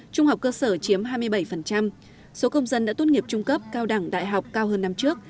trung học cơ sở chiếm hai mươi bảy số công dân đã tốt nghiệp trung cấp cao đẳng đại học cao hơn năm trước